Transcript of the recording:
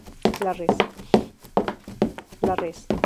La Res.